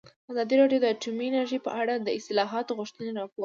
ازادي راډیو د اټومي انرژي په اړه د اصلاحاتو غوښتنې راپور کړې.